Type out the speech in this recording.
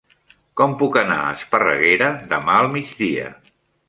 Com puc anar a Esparreguera demà al migdia?